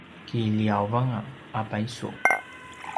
kiliavanga a paysu